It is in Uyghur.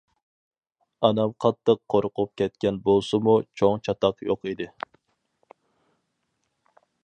ئانام قاتتىق قورقۇپ كەتكەن بولسىمۇ چوڭ چاتاق يوق ئىدى.